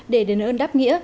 để đến ơn đáp nghĩa